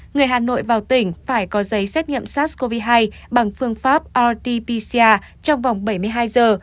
người hà nội vào tỉnh phải có giấy xét nghiệm sars cov hai bằng phương pháp rt pcr trong vòng bảy mươi hai giờ